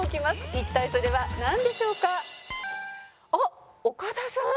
「一体それはなんでしょうか？」あっ岡田さん！